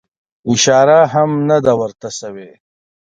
اشاره هم نه ده ورته سوې.